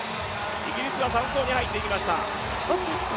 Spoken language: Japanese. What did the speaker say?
イギリスは３走に入ってきました。